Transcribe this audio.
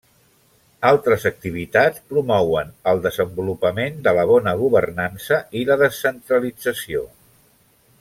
Altres activitats promouen el desenvolupament de la bona governança i la descentralització.